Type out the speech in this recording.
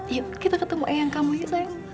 yuk kita ketemu ayah kamu yuk sayang